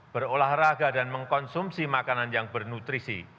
berolahraga dan mengkonsumsi makanan yang bernutrisi